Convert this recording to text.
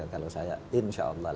kalau saya insyaallah